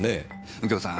右京さん